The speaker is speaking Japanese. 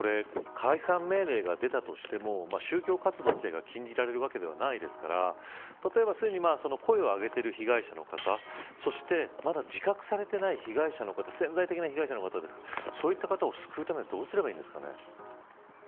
解散命令が出たとしても宗教活動自体が禁じられるわけではないですから例えば、すでに声を上げている被害者の方そして、まだ自覚されていない被害者の方潜在的な被害者の方ですがそういう方を救うためにどうすればいいんですかね。